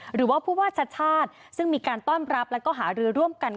หรือว่าผู้ว่าชาติชาติซึ่งมีการต้อนรับแล้วก็หารือร่วมกัน